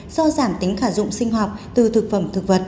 do giảm tính khả dụng sinh học từ thực phẩm thực vật